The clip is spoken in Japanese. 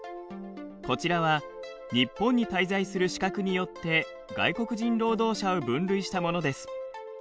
こちらは日本に滞在する資格によって外国人労働者を分類したものです。